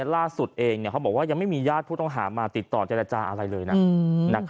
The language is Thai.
แล้วก็มองแก่เอง